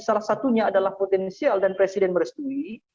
salah satunya adalah potensial dan presiden merestui